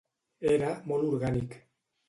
Era molt orgànic.